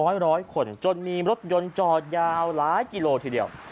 ยิงต่อรถยนต์จอดยาวอยู่ที่เดิม